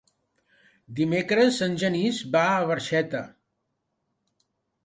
Dimecres en Genís va a Barxeta.